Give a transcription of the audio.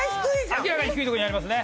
明らかに低いところにありますね。